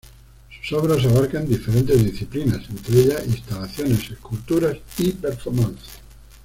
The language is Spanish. Sus obras abarcan diferentes disciplinas, entre ellas instalaciones, esculturas y performance.